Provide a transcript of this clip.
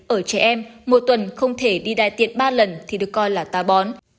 ở trẻ em một tuần không thể đi đại tiện ba lần thì được coi là tá bón